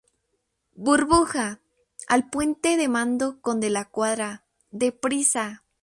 burbuja, al puente de mando con De la Cuadra, deprisa.